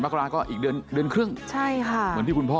กราก็อีกเดือนเดือนครึ่งใช่ค่ะเหมือนที่คุณพ่อ